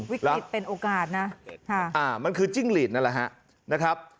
วิกฤตเป็นโอกาสนะมันคือจิ้งหลีดนั่นแหละฮะนะครับ